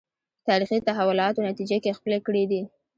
تاریخي تحولاتو نتیجه کې خپلې کړې دي